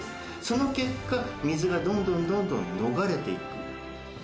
その結果、水がどんどんどんどん逃れていく。